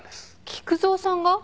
菊蔵さんが？